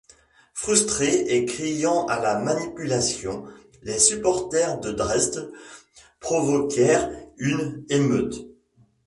Frustrés et criant à la manipulation, les supporters de Dresde provoquèrent une émeute.